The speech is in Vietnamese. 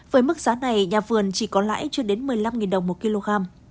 với mức giá này nhà vườn chỉ có lãi chưa đến một mươi năm đồng một kg